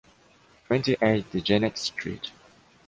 Twenty-eight de Gennete Street